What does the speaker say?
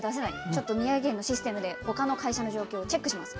ちょっと宮城県のシステムで他の会社の状況をチェックします。